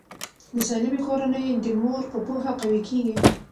د سالمې کورنۍ د مور په پوهه قوي کیږي.